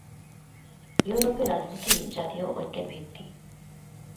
ইউরোপে রাজনীতিই জাতীয় ঐক্যের ভিত্তি।